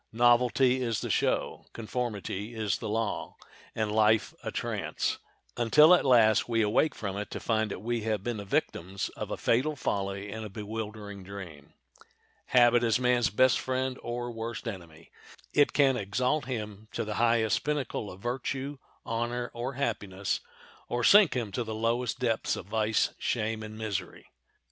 Novelty is the show, conformity is the law—and life a trance, until at last we awake from it to find that we have been the victims of a fatal folly and a bewildering dream. Habit is man's best friend or worst enemy. It can exalt him to the highest pinnacle of virtue, honor, or happiness, or sink him to the lowest depths of vice, shame, and misery.